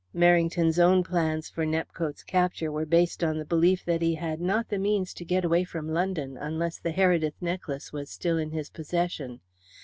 Merrington's own plans for Nepcote's capture were based on the belief that he had not the means to get away from London unless the Heredith necklace was still in his possession.